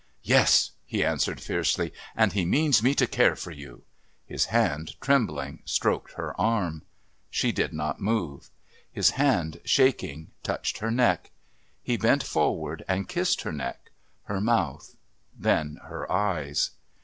"Yes," he answered fiercely. "And He means me to care for you." His hand, trembling, stroked her arm. She did not move. His hand, shaking, touched her neck. He bent forward and kissed her neck, her mouth, then her eyes.